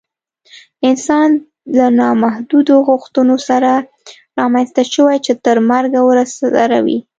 انسان له نامحدودو غوښتنو سره رامنځته شوی چې تر مرګه ورسره وي